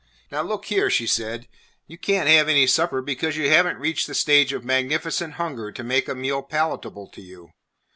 "Now look here," she said, "you can't have any supper because you have n't reached the stage of magnificent hunger to make a meal palatable to you.